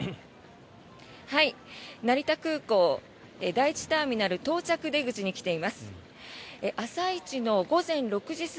成田空港第１ターミナル到着出口に来ています。